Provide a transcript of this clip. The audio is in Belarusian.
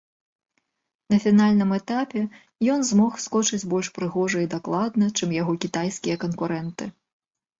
На фінальным этапе ён змог скочыць больш прыгожа і дакладна, чым яго кітайскія канкурэнты.